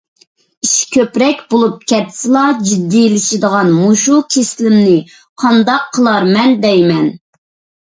ئىش كۆپرەك بولۇپ كەتسىلا جىددىيلىشىدىغان مۇشۇ كېسىلىمنى قانداق قىلارمەن دەيمەن؟